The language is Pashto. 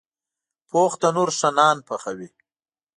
پوخ تنور ښه نان پخوي